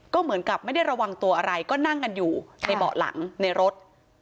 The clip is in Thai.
ก็เหมือนกับไม่ได้ระวังตัวอะไรก็นั่งกันอยู่ในเบาะหลังในรถ